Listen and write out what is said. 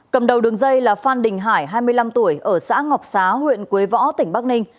cầm đầu đường dây là phan đình hải hai mươi năm tuổi ở xã ngọc xá huyện quế võ tỉnh bắc ninh